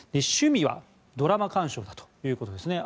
趣味はドラマ鑑賞だということです。